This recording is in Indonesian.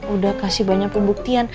udah kasih banyak pembuktian